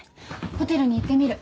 ホテルに行ってみる。